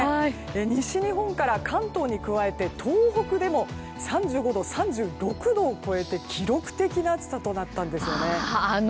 西日本から関東に加えて東北でも３５度、３６度を超えて記録的な暑さとなったんですね。